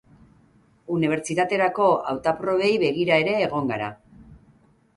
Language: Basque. Unibertsitaterako hautaprobei begira ere egongo gara.